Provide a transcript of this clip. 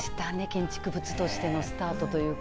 建築物としてのスタートというか。